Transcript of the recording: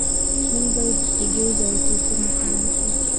موږ باید د اوبو ضایع کیدو مخه ونیسو.